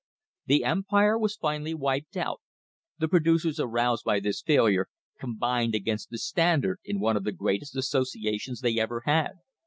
The Em pire was finally wiped out; the producers, aroused by this failure, combined against the Standard in one of the greatest associations they ever had.